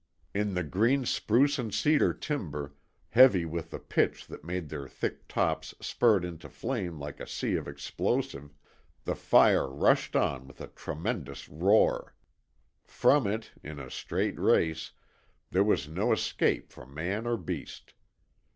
In the green spruce and cedar timber, heavy with the pitch that made their thick tops spurt into flame like a sea of explosive, the fire rushed on with a tremendous roar. From it in a straight race there was no escape for man or beast.